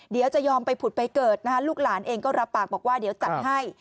เดี๋ยวจะยอมไปผุดไปเกิดนะฮะลูกหลานเองก็รับปากบอกว่าเดี๋ยวจัดให้